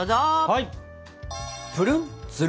はい！